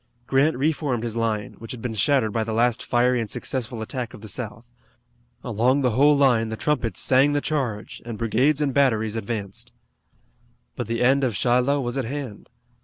Grant reformed his line, which had been shattered by the last fiery and successful attack of the South. Along the whole long line the trumpets sang the charge, and brigades and batteries advanced. But the end of Shiloh was at hand.